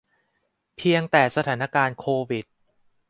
เพียงแต่สถานการณ์โควิด